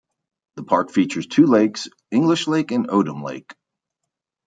The park features two lakes, English Lake and Odum Lake.